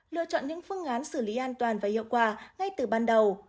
lựa chọn những phương án xử lý an toàn và hiệu quả ngay từ ban đầu